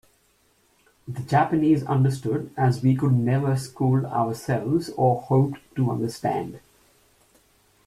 The Japanese understood as we could never school ourselves or hope to understand.